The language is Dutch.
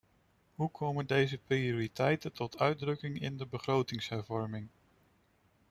Hoe komen deze prioriteiten tot uitdrukking in de begrotingshervorming?